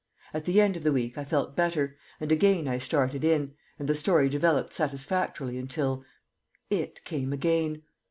At the end of the week I felt better, and again I started in, and the story developed satisfactorily until it came again.